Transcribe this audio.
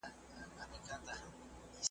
زه ښکاري یم زه به دام څنګه پلورمه .